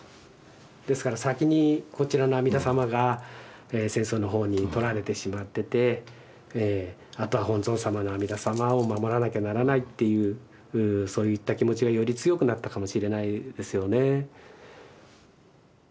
ですから先にこちらの阿弥陀様が戦争の方にとられてしまっててあとは本尊様の阿弥陀様を守らなきゃならないっていうそういった気持ちがより強くなったかもしれないですよね。